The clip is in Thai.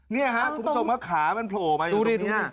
นี่ครับคุณผู้ชมครับขามันโผล่มาอยู่ตรงนี้